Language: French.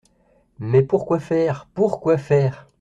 Mais pour quoi faire ? pour quoi faire ?